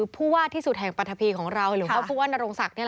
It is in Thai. ผู้ว่าที่สุดแห่งปรัฐพีของเรา